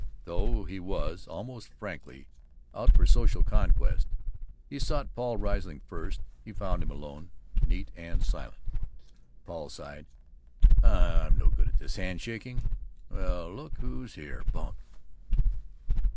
Though he was, almost frankly, out for social conquest, he sought Paul Riesling first. He found him alone, neat and silent. Paul sighed, "I'm no good at this handshaking and 'well, look who's here' bunk."